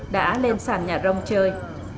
đã lên sàn nhà rông chơi